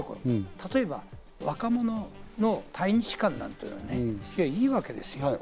例えば若者の対日感なんていうのはね、いいわけですよ。